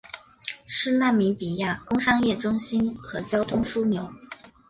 是纳米比亚工商业中心和交通枢纽。